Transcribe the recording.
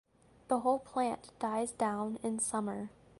The whole plant dies down in summer.